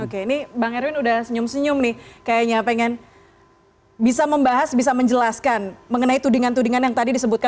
oke ini bang erwin udah senyum senyum nih kayaknya pengen bisa membahas bisa menjelaskan mengenai tudingan tudingan yang tadi disebutkan